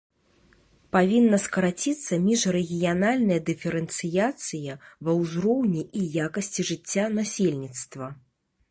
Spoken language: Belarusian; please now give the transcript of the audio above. Павінна скараціцца міжрэгіянальная дыферэнцыяцыя ва ўзроўні і якасці жыцця насельніцтва.